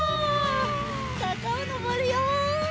さかをのぼるよ。